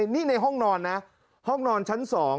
นี่ในห้องนอนนะห้องนอนชั้น๒